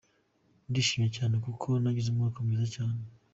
Ndishimye cyane kuko nagize umwaka mwiza cyane.